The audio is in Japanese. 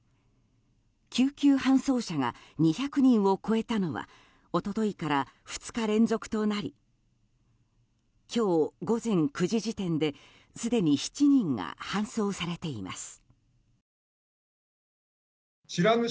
救急搬送者が２００人を超えたのは一昨日から２日連続となり今日午前９時時点ですでに７人が搬送されています。